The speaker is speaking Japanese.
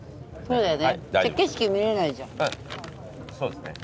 うんそうですね。